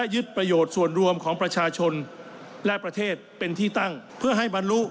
ยึดประโยชน์ส่วนรวมของประชาชนและประเทศเป็นที่ตั้งค่ะ